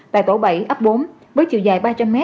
tại tổ bảy ấp bốn với chiều dài ba trăm linh m